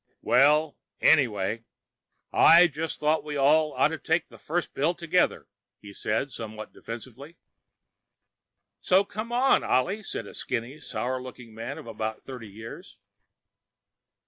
"Well ... anyway, I just thought we all oughta take the first pills together," he said, somewhat defensively. "So come on, Ollie," said a skinny, sour looking man of about thirty years.